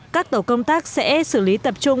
các tổ công tác sẽ xử lý tập trung